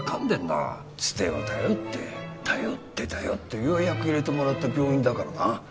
ツテを頼って頼って頼ってようやく入れてもらった病院だからな。